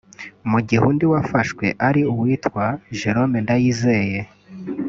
mu gihe undi wafashwe ari uwitwa Jerome Ndayizeye